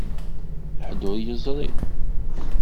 Ḥedd ur yeẓri.